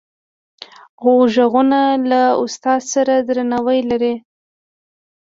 غوږونه له استاد سره درناوی لري